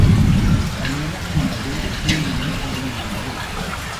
தன்னலம் என்பது பேயினும் கொடுமையானது.